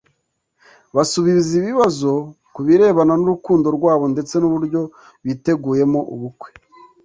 basubiza ibibazo kubirebana n’urukundo rwabo ndetse n’uburyo biteguyemo ubukwe